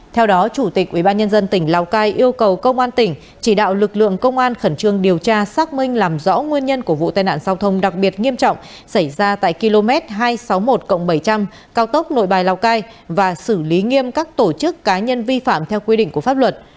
theo đó chủ tịch ubnd tỉnh lào cai yêu cầu công an tỉnh chỉ đạo lực lượng công an khẩn trương điều tra xác minh làm rõ nguyên nhân của vụ tai nạn giao thông đặc biệt nghiêm trọng xảy ra tại km hai trăm sáu mươi một bảy trăm linh cao tốc nội bài lào cai và xử lý nghiêm các tổ chức cá nhân vi phạm theo quy định của pháp luật